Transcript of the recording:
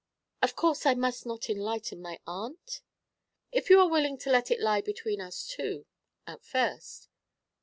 'Of course I must not enlighten my aunt?' 'If you are willing to let it lie between us two at first?'